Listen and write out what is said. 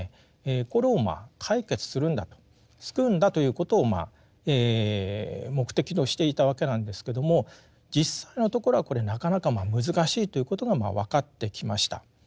これを解決するんだと救うんだということを目的としていたわけなんですけども実際のところはこれなかなか難しいということが分かってきました。